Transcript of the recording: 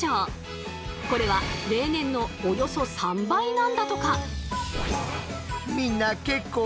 これは例年のおよそ３倍なんだとか！